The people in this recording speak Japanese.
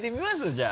じゃあ。